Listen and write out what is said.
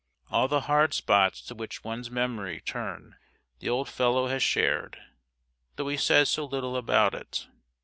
All the hard spots to which one's memory turns the old fellow has shared, though he says so little about it.